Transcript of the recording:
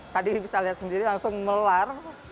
tadi bisa lihat sendiri langsung melar